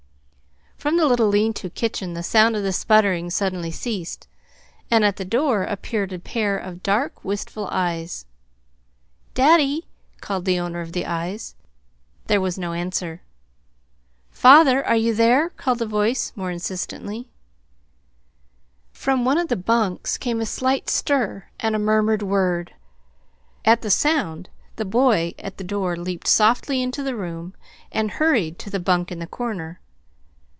From the little lean to kitchen the sound of the sputtering suddenly ceased, and at the door appeared a pair of dark, wistful eyes. "Daddy!" called the owner of the eyes. There was no answer. "Father, are you there?" called the voice, more insistently. From one of the bunks came a slight stir and a murmured word. At the sound the boy at the door leaped softly into the room and hurried to the bunk in the corner.